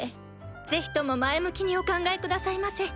ぜひとも前向きにお考えくださいませ。